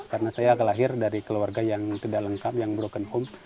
karena saya lahir dari keluarga yang tidak lengkap yang broken home